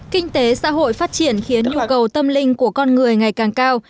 kinh tế xã hội phát triển khiến nhu cầu tâm linh của con người ngày càng cao